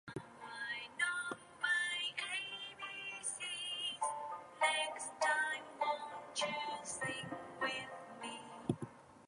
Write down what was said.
Her alumnae include such notables as Roma Egan.